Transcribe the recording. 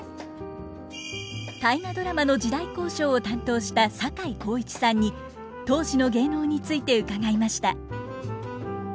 「大河ドラマ」の時代考証を担当した坂井孝一さんに当時の芸能について伺いました。